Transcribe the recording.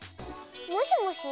もしもし。